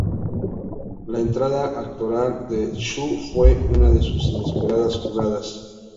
La entrada actoral de Chou fue una de sus inesperadas jugadas.